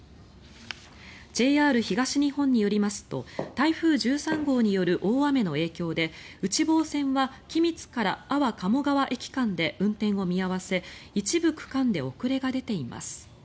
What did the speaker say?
ＪＲ東日本によりますと台風１３号による大雨の影響で内房線は君津から安房鴨川駅間で運転を見合わせ一部区間で遅れが出ています。